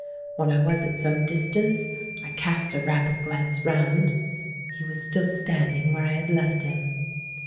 When I was at some distance, I cast a rapid glance round: he was still standing where I had left him.